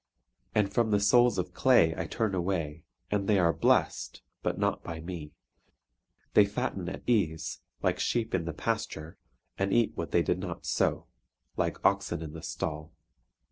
And from the souls of clay I turn away, and they are blest, but not by me. They fatten at ease, like sheep in the pasture, and eat what they did not sow, like oxen in the stall.